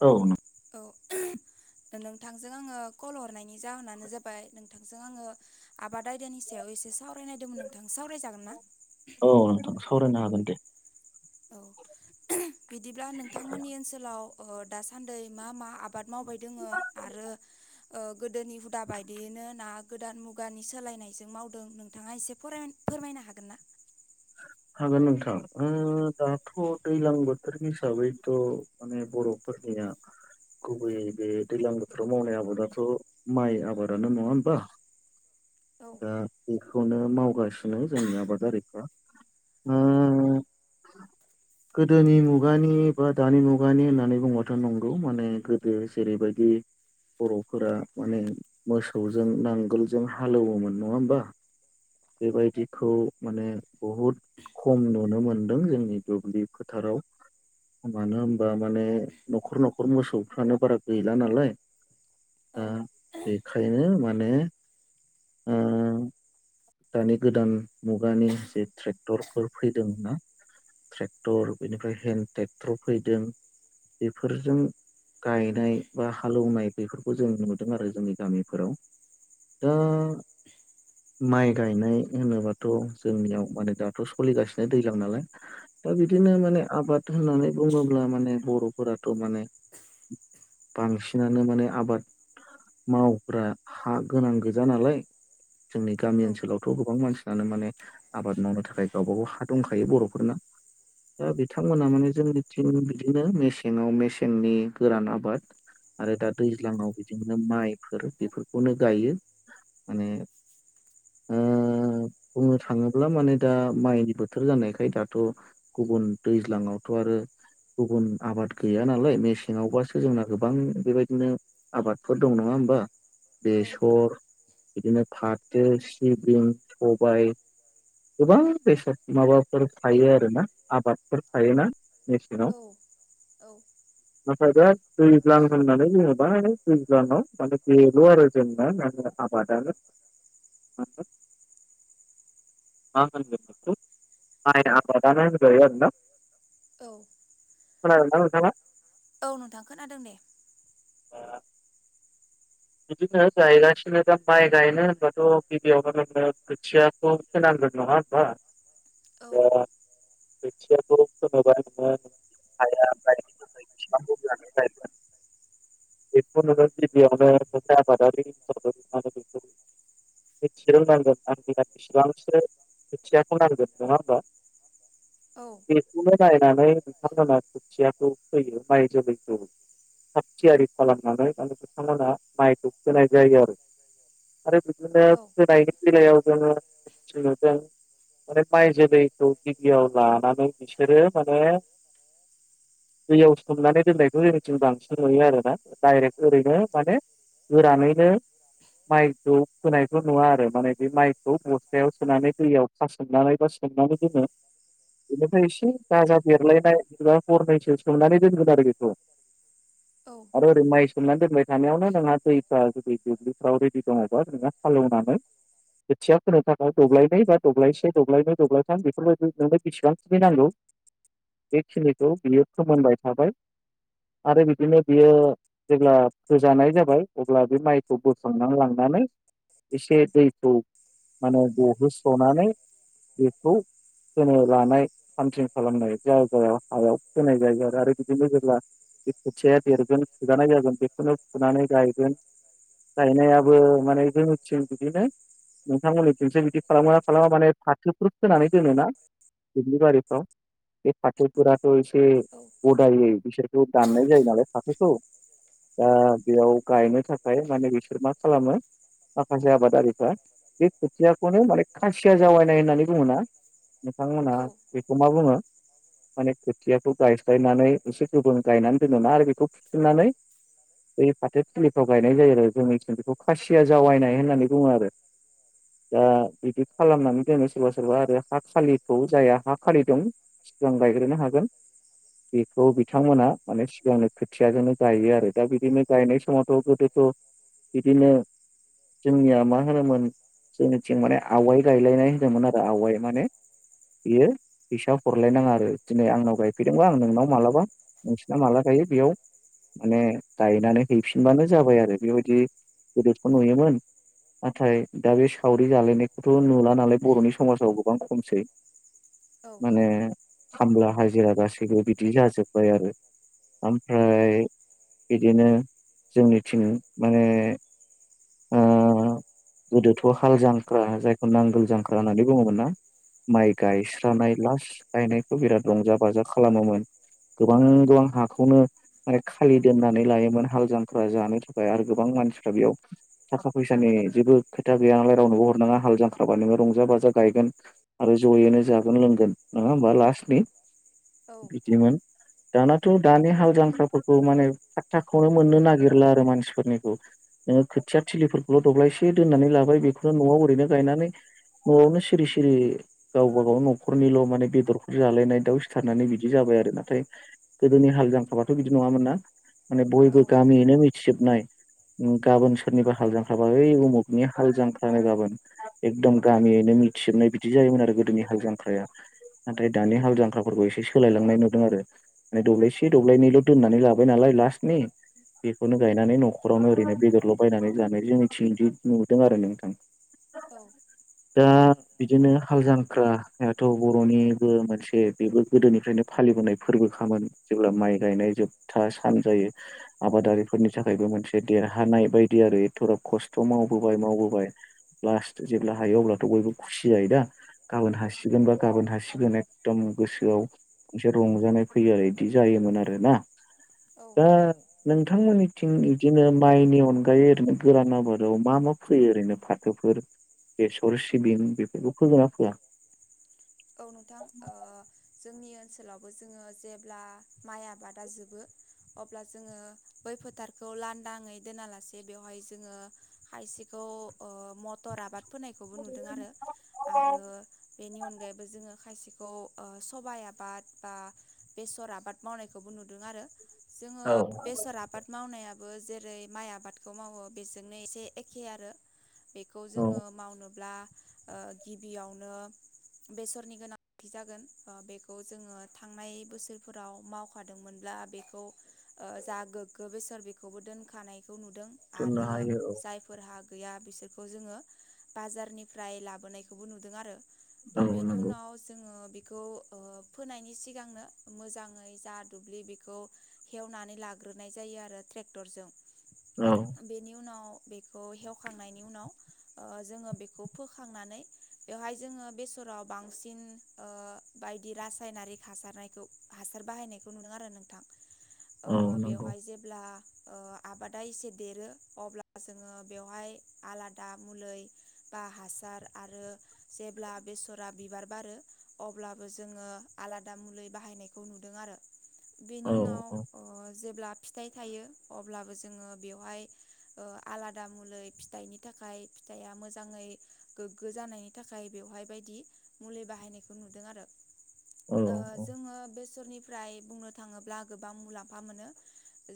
औ न' [inaudible] नोंथांजों आंङो कल हरनायनि जाहोनानो जाबाय नोंथांजों आङो आबाद आयदानि सायाव एसे सावरायनायदोंमोन नोंथां। सावरायजागोन ना औ नोंथां सावरायनो हागोन दे। औ बिदिब्ला नोंथांमोननि ओनसोलाव दासान्दै मा मा आबाद मावबाय दोङो आरो ओ गोदोनि हुदा बायदियैनो ना गोदान मुगानि सोलायनायजों मावदों नोंथाङा एसे [unintelligible] फोरमायनो हागोन ना? हागोन नोंथां ओ दाथ' दैलां बोथोर हिसाबैथ' माने बर'फोरनि या गुबै बे दैलां बोथोराव मावनाय आबादाथ' माइ आबादानो नङा होमबा। औ दा बेखौनो मावगासिनो जोंनि आबादारिफ्रा। ओ [inaudible] गोदोनि मुगानि बा दानि मुगानि होननानै बुंबाथ' नंगौ माने गोदो जेरैबायदि बर'फोरा माने मोसौजों नांगोलजों हालौओमोन नङा होमबा। बेबायदिखौ माने बहुद खम नुनो मोनदों जोंनि दुब्लि फोथाराव। मानो होमबा माने न'खर न'खर मोसौफ्रानो बारा गैला नालाय। औ दा बेखायनो माने दानि गोदान मुगानि जे ट्रेक्टरफोर फैदों ना। ट्रेक्टर बेनिफ्राय हेन्द ट्रेक्टर फैदों, बेफोरजों गायनाय बा हालौनाय बेफोरखौ जों नुदों आरो जोंनि गामिफोराव। दा औ माइ गायनाय होनोबाथ' जोंनियाव माने दाथ' सलिगासिनो दैलां नालाय। दा औ बिदिनो माने आबाद होननानै बुङोब्ला माने बर' फोराथ' माने बांसिनानो माने आबाद मावग्रा हा गोनां गोजा नालाय जोंनि गामि औ ओनसोलावथ' गोबां मानसि आनो माने आबाद मावनो थाखाय गावबागाव हा दंखायो बर'फोरना। दा बिथांमोना माने जोंनिथिं बिदिनो मेसेङाव मेसेंनि गोरान आबाद। आरो दा दैज्लाङाव बिदिनो माइफोर बेफोरखौनो गायो माने ओ [inaudible] बुंनो थाङोब्ला माने दा माइनि बोथोर जानायखाय दाथ' गुबुन दैज्लाङावथ' आरो गुबुन आबाद गैया नालाय मेसेङावबासो जोंना गोबां बेबायदिनो आबादफोर दं नङा होमबा औ बेसर बिदिनो फाथो, सिबिं, सबाय गोबां बेसाद माबाफोर थायो आरोना आबादफोर थायोना। मेसेङाव औ औ। नाथाय दा दैज्लां होननानै जोङोबा दैज्लांआव माने बेल' आरो जोंना [unintelligible] आबादा। मा होनगोन बेखौ माइ आबादानो होनजायो आरोना। औ। खोनादोंना नोंथाङा? औ नोंथां खोनादों दे। बिदिनो गायगासिनो दा माइ गायनो होनबाथ' गिबियावो नोङो खोथियाखौ फोनां गोन नङा होनबा। औ। खोथियाखौ [unintelligible] [unintelligible] बेखौ नोङो गिबियावनो [unintelligible] मिथिनोनांगोन आंनिआ बेसेबांसो खोथियाखौ नांगोन नङा होमबा औ बेखौनो नायनानै नोंथांमोना खोथियाखौ फोयो माइ जोलैखौ। थाग थियारि खालामनानै माने बिथांमोना माइखौ फोनाय जायो आरो आरो बिदिनो फोनाय बिलायाव जोङो [unintelligible] माने माइ जोलैखौ गिबियाव लानानै बिसोरो माने दैयाव सोमनानै दोननायखौ जोंनिथिं बांसिन नुयो आरोोना डायरेक्ट ओरैनो माने गोरानैनो माइखौ फोनायथ नुा आरो माने बे माइखौ बस्थायाव सोनानै दैयाव फासोमनानै बा सोमनानै दोनो बेनिफ्राय एसे गाजा बेरलायनाय एबा हरनैसो सोमनानै दोनगोन आरो बेखौ औ आरो ओरै माइ सोमनानै दोनबाय थानायावनो नोंहा दैफ्रा जुदि दुब्लिफ्राव रेडि दङबा नोंहा सालेवनानै खोथिया फोनो थाखाय दब्लायनै बा दब्लायसे दब्लायनै दब्लायथाम बेफोरबायदि नोंनो बिसेबांखिनि नांगौ। बेखिनिखौ बियो फोमोनबाय थाबाय। आरो बिदिनो बियो जेब्ला फोजानाय जा। बाय अब्ला बे माइखौ बोखांना लांनानै एसे दैखौ। माहोनो गहोस्रनानै बेखौ। फोनो लानाय थामथिम खालामनाय जायगायाव हायाव होनाय जायो आरो बिदिनो जेब्ला। बे खोथिआया देरगोन फुजानाय जागोन बेखौनो फुनानै गायगोन। गायनायाबो माने जोंनिथिं बिदिनो। नोंथांमोननिथिंसो बिदि खालामगोना खालामा माने फाथोफोर खोनानै दोनोना। दुब्लिबारिफ्राव बे फाथोफोराथ'एसे गदाययै बिसोर। ज दाननाय जायो नालाय फाथोखौ दा बेयाव। गायनो थाखाय माने बिसोर मा खालामो। माखासे आबादारिफ्रा बे खोथियाखौनो माने खासिया जावायनाय होननानै बुङोना। नोंथांमोना औ बेखौ मा बुङो। माने खोथियाखौ गायस्लायनानै एसे गोबों गायनानै दोनोमोना आरो बेखौ फुफिननानै। बै फाथोथिलिफ्राव गायनाय जायो आरो जोंनिथिं बेखौ खासिया जावायनाय होननानै बुङो आरो। दा बिदि खालामनानै दोनो सोरबा सोरबा आरो हा खालिखौ जायहा हा खालि दं। सिगां गायग्रोनो हागोन। बेखौ औ बिथांमोना माने सिगांनो खोथियाजोंनो गायो आरो दा बिदिनो। गायनाय समावथ' गोदोथ' बिदिनो जोंनिया मा होनोमोन। जोंनिथिं माने आवाय गायलायनाय होनदोंमोन आरो आवाय माने। बियो फैसा हरलायनाङा आरो दिनै आंनाव गायफैदोंब आं नोंनाव मालाबा नोंसिना माला गाय। बे बेयाव माने गायनानै। हैफिनबानो जाबाय आरो बेबायदि गोदोथ नुयोमोन। नाथाय दा बे सावरि जालायनायखौथ' नुला। नालाय बर'नि समाजाव गोबां खमसै औ माने। खामला हाजिरा गासैबो बिदि जाजोब्बाय आरो। ओमफ्राय बिदिनो जोंनिथिं माने। ओ गोदोथ' हाल जांख्रा जायखौ नांगोल जांख्रा होननानै बुङोमोन ना। माइ औ गायस्रानाय लास गायनायखौ बिराद रंजा बाजा खालामोमोन। गोबां गोबां हाखौनो। माने खालि दोननानै लायोमोन हाल जांख्रा जानो थाखाय आरो गोबां मानसिफ्रा बेयाव। थाखा फैसानि जेबो खोथा गैया नालाय रावनोबो हरनाङा हाल जांख्रा बानायबा रंजा बाजा गायगोन आरो। जयैनो जागोन लोंगोन नङा होमबा लास्टनि औ बिदिमोन। दानाथ' दानि हाल जांख्राफोरखौ माने फाथ्थाखौवनो मोननो नागिरला आरो मानसिफोरनिखौ। नोङो खोथिया थिलिफोरखौल' दब्लायसे दोननानै लाबाय बेखौनो न'आव ओरैनो गायनानै। न'आवनो सिरि सिरि गावबा गाव न'खरनिल' माने बेदरफोर जालायनाय दाउ सिथारनानै बिदि जाबाय। बाय आरो नाथाय गोदोनि हाल जांख्राबाथ' बिदि नङामोन ना। माने औ बयबो नोंथां गामियैनो मिथिजोबनाय गाबोन। फोरनिबो हाल जांख्राबा ओइ उमुखनि हाल जांख्रानो गाबोन एकदम गामियैनो मिथिजोबनाय बिदि जायो। आरो गोदोनि हाल जांख्राया। नाथाय दानि हाल जांख्राफोरखौ एसे सोलायलांनाय नुदों आरो माने दब्लायसे दब्लायनैल' दोननानै लाबाय नालाय। लासनि बेखौनो गायनानै न'खरावनो ओरैनो बेदरल'। बायनानै जानाय जोंनिथिं इदि नुदों आरो नोंथां। औ। दा। बिदिनो हाल जांख्राथ' होनायाथ' बर'निबो मोनसे बेबो गोदोनिफ्रायनो फालिबोनाय फोरबो। खामोन जेब्ला माइ गायनाय जोबथा सान जायो आबारिफोरनि थाखायबो मोनसे देरहानाय बोय। बिदि आरो एथ'ग्राब खस्थ' मावबोबाय मावबोबाय। लास्ट जेब्ला हायो अब्लाथ' बयबो खुसि जायो दा। गाबोन हासिगोन बा गाबोन हासिगोन एकदम गोसोआव मोनसे रंजानाय फैयो आरो इदि जायोमोन आरो ना दा नोंथांमोननिथिं इदिनो माइनि अन गायै ओरैनो गोरान आबादाव मा मा फैयो ओरैनो फाथोफोर बेसर सिबिं बेफोरखौ फोगोनना फोआ? औ नोंथां ओ जोंनि ओनसोलावबो जोङो जेब्ला माइ आबादा जोबो अब्ला जोङो बै फोथारखौ लांनदाङै दोनालासे बेवहाय जोङो खायसेखौ अ मटर आबाद फोनायखौबो नुदों आरो आरो बेनि अनगायै नो खायसेखौ ओ सबाय आबाद बा बेसर आबाद मावनायखौबो नुदों आरो। जोङो औ बेसर आबाद मावनायाबो जेरै, माइ आबादखौ मावो बेजोंनो एसे एखे आरो बेखौ जोङो औ मावनोब्ला ओ गिबियावनो बेसरनि गोनांथि जागोन ओ बेखौ जोङो थांनाय बोसोरफोराव मावखादोंमोनब्ला बा बेखौ ओ जा गोग्गो बेसर बेखौबो दोनखानाय खौ नुदों फोनो आरो हायो औ जायफोरहा गैया बिसोरखौ जोङो बाजारनिफ्राय लाबोनायखौबो नुदों आरो। ओ औ बेनि नंगौ उनाव जोङो बे खौ ओ फोनायनि सिगांनो मोजाङै जा दुब्लि बेखौ ऐवनानै ला ग्रोनाय जायो आरो ट्रेक्टरजों औ बेनि उनाव बेखौ हेवखांनायनि उनाव ओ जोङो बेखौ फोखांनानै बेवहाय जोङो बे सराव बांसिन ओ बायदि रासायनारिक हासारनायखौ हासार बाहायनायखौ नुदों आरो नोंथां औ अ नंगौ बेवहाय जेब्ला ओ आबादा एसे देरो अब्ला जोङो बेवहाय आलादा मुलै बा हासार आरो जेब्ला बेसरा बिबार बारो अब्लाबो जोङो आलादा मुलै बाहायनायखौ नुदों आरो। बेनि औ उनाव अ जेब्ला फिथाइ थायो अब्लाबो जोङो बेवहाय ओ आलादा मुलै फिथाइनि थाखाय फिथाइया मोजाङै गोगो जानायनि थाखाय बेवहाय बाय दि मुलि बाहायनायखौ नुदों आरो औ ओ जोङो बेसरनि फ्राय बुंनो थाङोब्ला गोबां मुलाम्फा मोनो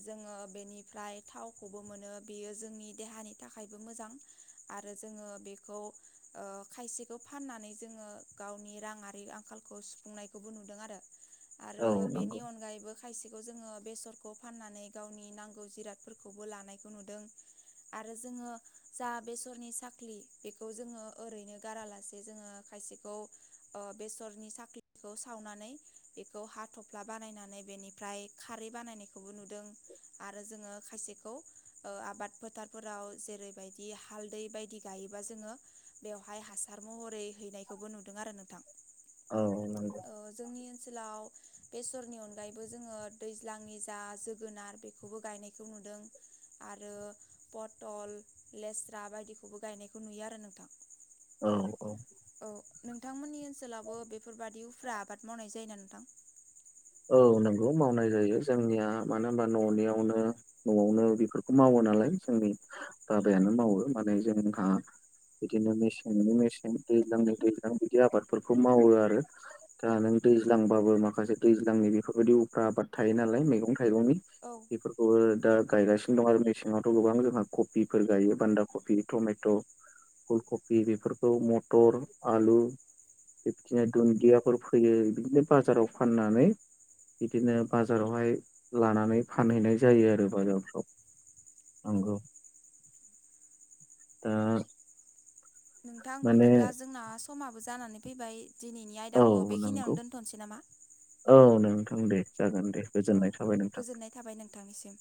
जोङो बेनिफ्राय थावखौबो मोनो बेयो जोंनि देहानि थाखायबो मोजां आरो जोङो बेखौ ओ खायसे खौ फाननानै जोङो गावनि राङारि आंखालखौ सुफुंनायखौबो नुदों आरो आरो औ बेनि नंगौ अनगायैबो खायसेखौ जोङो बेसरखौ फाननानै गावनि नांगौ जिरादफोरखौबो लानायखौ नुदों। आरो जोङो जा बेसरनि साख्लि बेखौ जोङो ओरैनो गारालासे जोङो खायसेखौ ओ बेसरनि साख्लिखौ सावनानै बेखौ हाथफ्ला बानायनानै बेनिफ्राय खारै बानायनायखौबो नुदों। आरो जोङो खायसेखौ ओ आबाद फोथार फोराव जेरैबायदि हालदै बायदि गायोबा जोङो बेवहाय हासार महरै हैनायखौबो नुदों आरो नोंथां। औ नंगौ ओ जोंनि ओनसोलाव बेफोरनि अनगायैबो जोङो दैज्लांनि जा जोगोनार बेखौबो गायनायखौ नुदों आरो पटल लेस्रा बायदिखौबो गायनायखौ नुयो आरो नोंथां। औ औ औ नोंथांमोननि ओनसोलाबो बेफोरबादि उफ्रा आबाद मावनाय जायोना नोंथां? औ नंगौ मावनाय जायो जोंनिया मानो होमबा न'नियावनो न'आवनो बेफोरखौ मावो। नालाय जोंनि बाबायानो मावो माने जोंहा बिदिनो मेसेंनि मेसें दैज्लांनि दैज्लां बिदि आबादफोरखौ मावो आरो दा नों दैज्लांबाबो माखासे दैज्लांनि बेफोरबायदि उफ्रा आबाद थायो नालाय मैगं थाइगंनि औ बेफोरखौबो दा गायगासिनो दं आरो मेसेङावथ' गोबां जोंहा कपिफोर गायो बान्दा कफि टमेट' फुल कफि बेफोरखौ मटर, आलु बिबदिनो दुन्दियाफोर फैयो बिदिनो बाजाराव फाननानै बिदिनो बाजारावहाय लानानै फानहैनाय जायो आरो बाजारफ्राव औ नंगौ दा नोंथां माने बिदिब्ला जोंना समाबो जानानै फैबाय दिनैनि औ आयदाखौ नंगौ बेखिनियावनो दोनथ'नोसै नामा औ नोंथां दे जागोन दे औ गोजोननाय थाबाय नोंथां गोजोननाय थाबाय नोंथांनिसिम